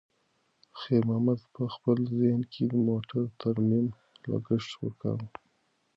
خیر محمد په خپل ذهن کې د موټر د ترمیم لګښت ورکاوه.